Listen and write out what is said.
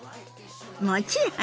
もちろんよ。